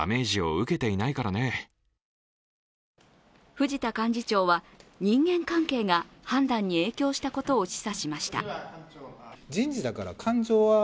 藤田幹事長は人間関係が判断に影響したことを示唆しました。